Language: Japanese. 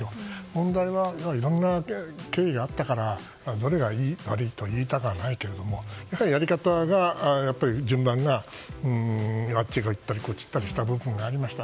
問題はいろんな経緯があったからどれがいい悪いとは言いたくはないけどやはり、やり方が順番があっち行ったりこっち行ったりした部分があった。